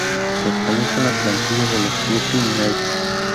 Pertenece a la plantilla de los Brooklyn Nets.